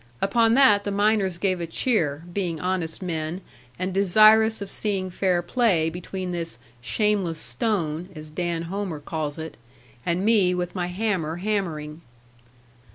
Upon that the miners gave a cheer, being honest men, and desirous of seeing fair play between this 'shameless stone' (as Dan Homer calls it) and me with my hammer hammering.